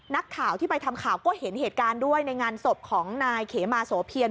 นักข่าวที่ไปทำข่าวก็เห็นเหตุการณ์ด้วยในงานศพของนายเขมาโสเพียร